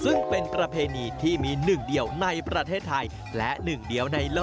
ซึ่งเป็นประเพณีที่มีหนึ่งเดียวในประเทศไทยและหนึ่งเดียวในโลก